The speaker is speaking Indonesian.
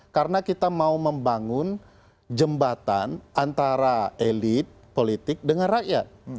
karena kita mau membangun jembatan antara elit politik dengan rakyat